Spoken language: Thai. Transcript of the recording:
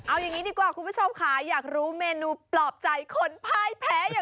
เอาอย่างนี้ดีกว่าคุณผู้ชมค่ะอยากรู้เมนูปลอบใจคนพ่ายแพ้อย่าง